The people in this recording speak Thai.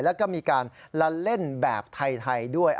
แล้วก็มีการละเล่นแบบไทยด้วย